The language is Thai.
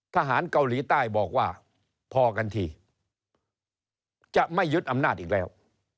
ทหารเกาหลีใต้บอกว่าพอกันทีจะไม่ยึดอำนาจอีกแล้ว